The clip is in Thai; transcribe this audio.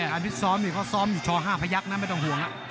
การพิษซ้อมอยู่ช่อ๕พยักษ์ไม่ต้องห่วง